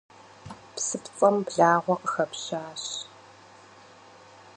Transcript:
Псыпцӏэм благъуэ къыхэпщащ.